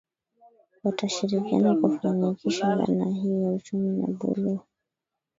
Watashirikiana kufanikisha dhana hii ya uchumi wa buluu